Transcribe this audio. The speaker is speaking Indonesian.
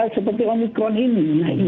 seperti omikron ini